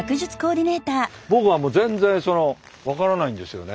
僕は全然その分からないんですよね。